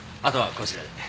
あとはこちらで。